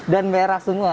dan merah semua